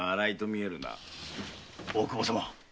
大久保様。